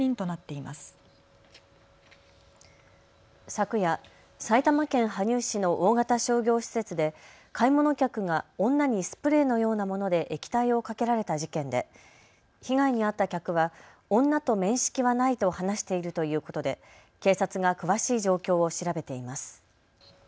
昨夜、埼玉県羽生市の大型商業施設で買い物客が女にスプレーのようなもので液体をかけられた事件で被害に遭った客は女と面識はないと話しているということで警察が詳しい状況を調べています。